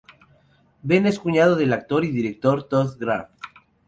Ben es cuñado del actor y director Todd Graff